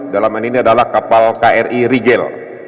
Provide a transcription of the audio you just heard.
dalam hal ini adalah kapal kri rigel